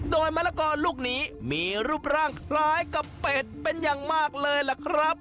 โดยมะละกอลูกนี้มีรูปร่างคล้ายกับเป็ดเป็นอย่างมากเลยล่ะครับ